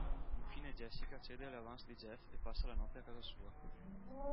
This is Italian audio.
Infine Jessica cede alle avance di Jeff e passa la notte a casa sua.